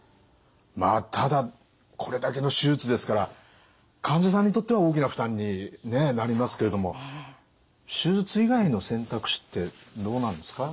まあただこれだけの手術ですから患者さんにとっては大きな負担になりますけれども手術以外の選択肢ってどうなんですか？